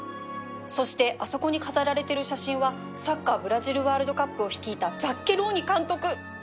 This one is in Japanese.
そしてあそこに飾られてる写真はサッカーブラジルワールドカップを率いたザッケローニ監督！